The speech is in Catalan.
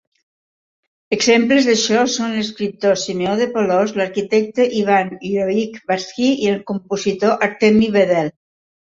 Exemples d'això són l'escriptor Simeó de Polotsk, l'arquitecte Ivan Hryhorovych-Barskyi i el compositor Artemy Vedel.